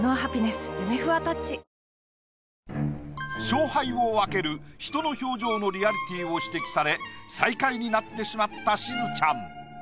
勝敗を分ける人の表情のリアリティーを指摘され最下位になってしまったしずちゃん。